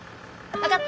分かった？